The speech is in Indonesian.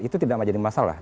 itu tidak menjadi masalah